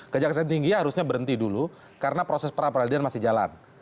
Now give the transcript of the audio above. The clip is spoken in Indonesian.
kejaksaan tinggi harusnya berhenti dulu karena proses pra peradilan masih jalan